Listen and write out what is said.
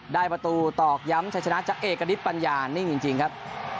ได้ประตูตอกย้ำชัยชนะจักรเอกกระดิษฐ์ปัญญาณนี่จริงครับ